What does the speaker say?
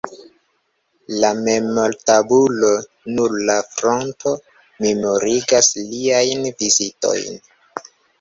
La memor-tabulo sur la fronto memorigas liajn vizitojn.